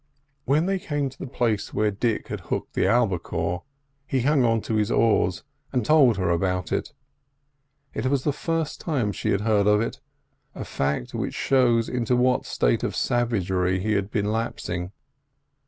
When they came to the place where Dick had hooked the albicore, he hung on his oars and told her about it. It was the first time she had heard of it; a fact which shows into what a state of savagery he had been lapsing.